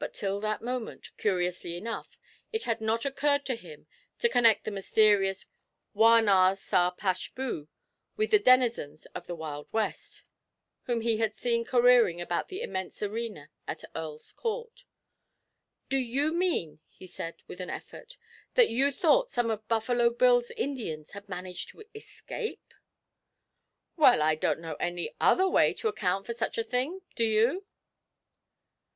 But till that moment, curiously enough, it had not occurred to him to connect the mysterious Wah Na Sa Pash Boo with the denizens of the Wild West whom he had seen careering about the immense arena at Earl's Court. 'Do you mean,' he said, with an effort, 'that you thought some of Buffalo Bill's Indians had managed to escape?' 'Well, I don't know any other way to account for such a thing. Do you?'